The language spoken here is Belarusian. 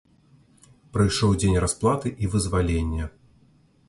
Прыйшоў дзень расплаты і вызвалення.